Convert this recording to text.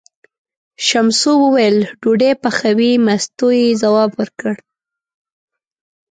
ششمو وویل: ډوډۍ پخوې، مستو یې ځواب ورکړ.